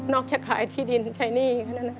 นอกจากขายที่ดินใช้หนี้